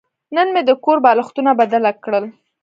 نن مې د کور بالښتونه بدله کړل.